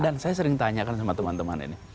dan saya sering tanyakan sama teman teman ini